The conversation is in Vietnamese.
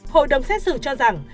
hội đồng xét xử cho rằng